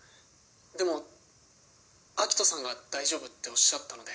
でも秋斗さんが大丈夫っておっしゃったので。